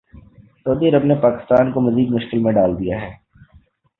سعودی Arab نے پاکستان کو مزید مشکل میں ڈال دیا ہے